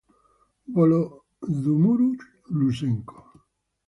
Volodymyr Lysenko